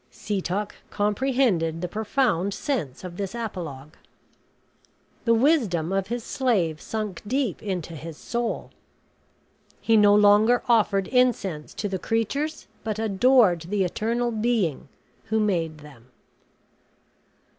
Setoc comprehended the profound sense of this apologue. The wisdom of his slave sunk deep into his soul; he no longer offered incense to the creatures, but adored the eternal Being who made them.